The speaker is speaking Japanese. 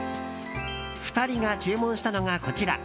２人が注文したのがこちら。